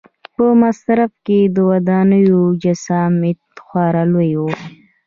په مصر کې د ودانیو جسامت خورا لوی و.